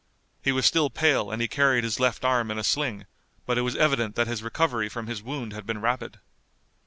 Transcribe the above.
He was still pale and he carried his left arm in a sling, but it was evident that his recovery from his wound had been rapid.